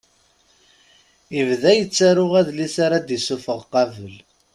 Ibda yettaru adlis ara d-isuffeɣ qabel.